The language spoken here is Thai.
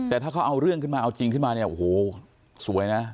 แต่ถ้าเขาเอาเรื่องขึ้นมาเอาจริงขึ้นมาเนี่ยโอ้โหสวยนะ